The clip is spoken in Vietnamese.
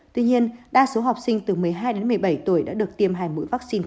tuy nhiên đa số học sinh từ một mươi hai đến một mươi bảy tuổi đã được tiêm hai mũi vaccine covid một mươi chín